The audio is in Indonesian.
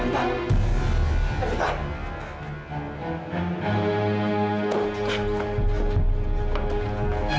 dari kamar evita dari kamar evita apa